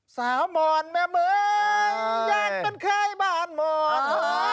สาวหมอนมริตรยังเป็นเค้บ้านหมอน